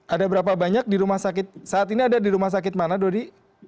ada berapa banyak di rumah sakit saat ini ada di rumah sakit mana dodi